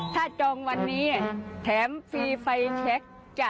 ถ้าจองวันนี้แถมฟรีไฟแชค